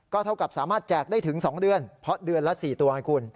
เท่ากับสามารถแจกได้ถึง๒เดือนเพราะเดือนละ๔ตัวไงคุณ